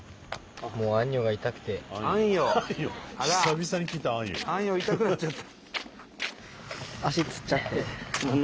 あんよ痛くなっちゃった。